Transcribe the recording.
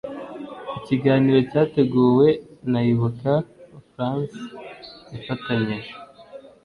ikiganiro cyateguwe na ibuka france ifatanyije